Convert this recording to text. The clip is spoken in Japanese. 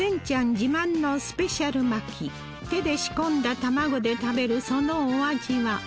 自慢のスペシャル巻き手で仕込んだ卵で食べるそのお味は？